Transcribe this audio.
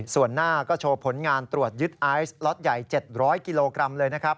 ส่วนหน้าก็โชว์ผลงานตรวจยึดไอซ์ล็อตใหญ่๗๐๐กิโลกรัมเลยนะครับ